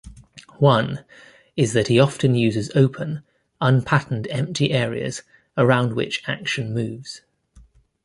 One is that he often uses open, unpatterned empty areas around which action moves.